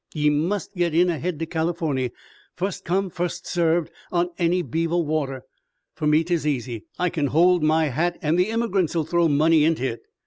"Ye must git in ahead to Californy. Fust come fust served, on any beaver water. Fer me 'tis easy. I kin hold my hat an' the immigrints'll throw money into hit.